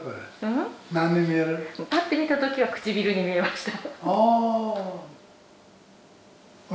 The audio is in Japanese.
パッて見た時は唇に見えました。